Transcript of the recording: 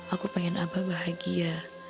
aku pengen abah bahagia